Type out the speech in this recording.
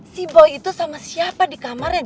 si boy itu sama siapa di kamarnya